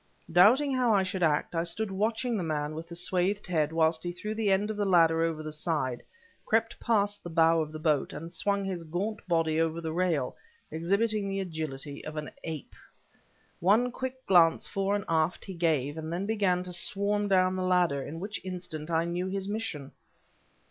Doubting how I should act, I stood watching the man with the swathed head whilst he threw the end of the ladder over the side, crept past the bow of the boat, and swung his gaunt body over the rail, exhibiting the agility of an ape. One quick glance fore and aft he gave, then began to swarm down the ladder: in which instant I knew his mission.